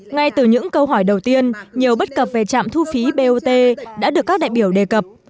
ngay từ những câu hỏi đầu tiên nhiều bất cập về trạm thu phí bot đã được các đại biểu đề cập